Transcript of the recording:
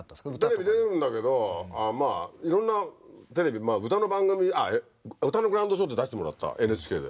テレビ出るんだけどまあいろんなテレビ歌の番組「歌のグランドショー」で出してもらったＮＨＫで。